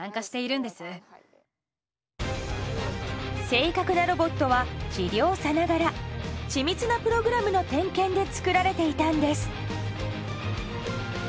正確なロボットは治療さながら緻密なプログラムの点検で作られていたんです。